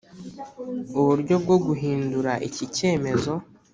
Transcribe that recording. uburyo bwo guhindura iki cyemezo.